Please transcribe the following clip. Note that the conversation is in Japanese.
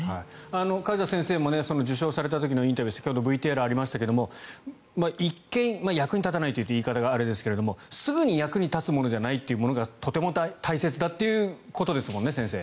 梶田先生も受賞された時のインタビュー先ほどＶＴＲありました一見、役に立たないという言い方があれですがすぐに役に立つものじゃないということがとても大切だということですもんね、先生。